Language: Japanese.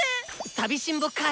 さびしんぼかい。